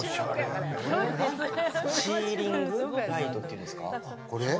シーリングライトというんですか？